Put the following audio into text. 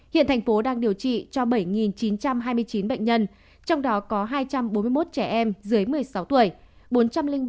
hiện thành phố đang điều trị cho bảy chín trăm hai mươi chín bệnh nhân trong đó có hai trăm bốn mươi một trẻ em dưới một mươi sáu tuổi